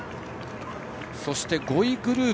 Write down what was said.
そして５位グループ。